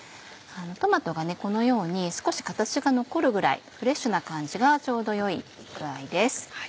トマトがこのように少し形が残るぐらいフレッシュな感じがちょうどよい具合です。